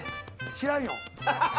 知らんよ？